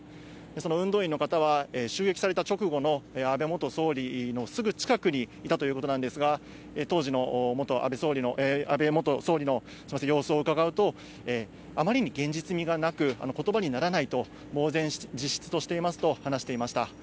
その運動員の方は襲撃された直後の安倍元総理のすぐ近くにいたということなんですが、当時の安倍元総理の様子を伺うと、あまりに現実味がなく、ことばにならないと、ぼう然自失としていますと、話していました。